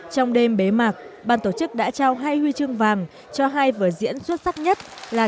trong đêm bế mạc ban tổ chức đã trao hai huy chương vàng cho hai vở diễn xuất sắc nhất là